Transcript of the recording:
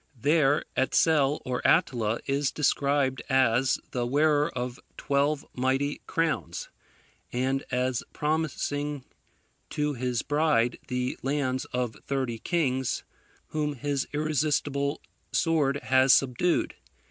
There Etsel or Attila, is described as the wearer of twelve mighty crowns, and as promising to his bride the lands of thirty kings, whom his irresistible sword has subdued.